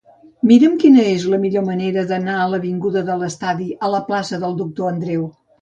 Mira'm quina és la millor manera d'anar de l'avinguda de l'Estadi a la plaça del Doctor Andreu.